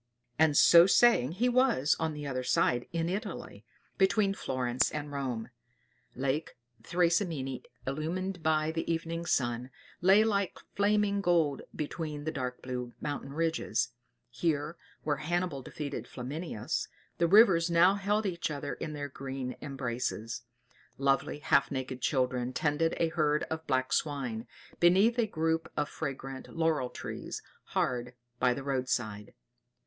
And so saying he was on the other side in Italy, between Florence and Rome. Lake Thracymene, illumined by the evening sun, lay like flaming gold between the dark blue mountain ridges; here, where Hannibal defeated Flaminius, the rivers now held each other in their green embraces; lovely, half naked children tended a herd of black swine, beneath a group of fragrant laurel trees, hard by the road side.